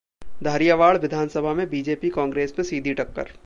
धारियावाड़ विधानसभा में बीजेपी-कांग्रेस में सीधी टक्कर!